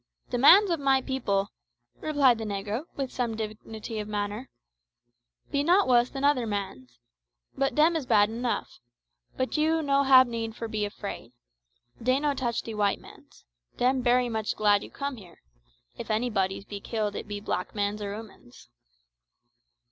"De mans ob my peepil," replied the negro, with some dignity of manner, "be not wuss dan oder mans. But dem is bad enuff. But you no hab need for be fraid. Dey no touch de white mans. Dem bery much glad you com' here. If any bodies be killed it be black mans or 'oomans."